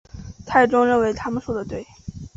太宗认为他们说得对。